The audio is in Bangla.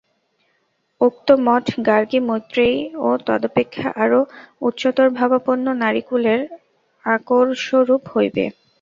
উক্ত মঠ গার্গী, মৈত্রেয়ী এবং তদপেক্ষা আরও উচ্চতরভাবাপন্না নারীকুলের আকরস্বরূপ হইবে।